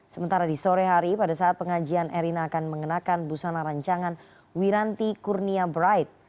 sementara di sore hari pada saat pengajian erina akan mengenakan busana rancangan wiranti kurnia bright